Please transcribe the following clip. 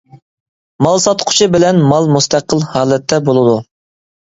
مال ساتقۇچى بىلەن مال مۇستەقىل ھالەتتە بولىدۇ.